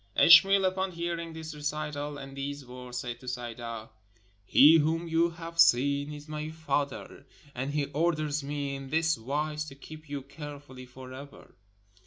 Ishmael, upon hearing this recital and these words, said to Sayda: "He whom you have seen is my father, and he orders me in this wise to keep you carefully for ever."